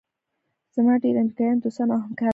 زما ډېر امریکایان دوستان او همکاران دي.